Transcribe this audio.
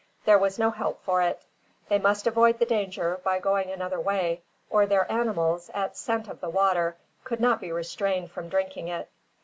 There was no help for it. They must avoid the danger by going another way, or their animals, at scent of the water, could not be restrained from drinking it.